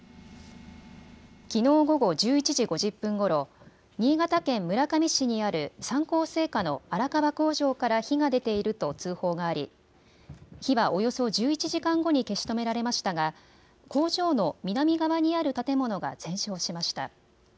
きのう午後１１時５０分ごろ、新潟県村上市にある三幸製菓の荒川工場から火が出ていると通報があり火は、およそ１１時間後に消し止められましたが工場の南側にある建物が全焼しました。